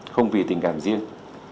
không vì tình cảm riêng